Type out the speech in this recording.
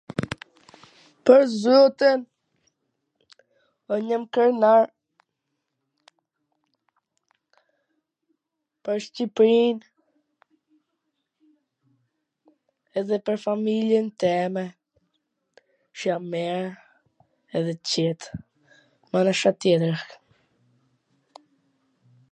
Pwr zotin, un jam krenar pwr Shqiprin, edhe pwr familjen teme, q jan t mir edhe t qet, mana Ca tjetwr?